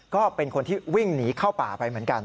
ก็เป็นคนที่วิ่งหนีเข้าป่าไปเหมือนกัน